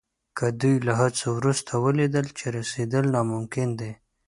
که دوی له هڅو وروسته ولیدل چې رسېدل ناممکن دي.